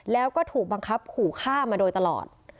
แล้วก็ถูกบังคับขู่ฆ่ามาโดยตลอด